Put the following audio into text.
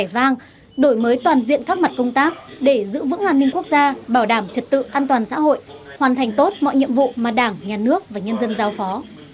vang đổi mới toàn diện các mặt công tác để giữ vững an ninh quốc gia bảo đảm trật tự an toàn xã hội hoàn thành tốt mọi nhiệm vụ mà đảng nhà nước và nhân dân giao phó